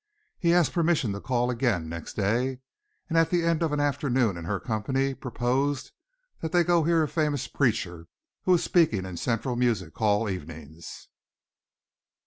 He asked permission to call again next day, and at the end of an afternoon in her company, proposed that they go to hear a famous preacher who was speaking in Central Music Hall evenings.